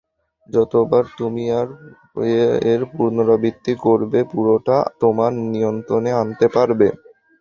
যতবার তুমি এর পুনরাবৃত্তি করবে, পুরোটা তোমার নিয়ন্ত্রনে আনতে পারবে।